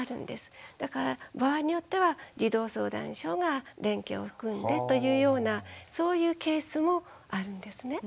だから場合によっては児童相談所が連携を含んでというようなそういうケースもあるんですね。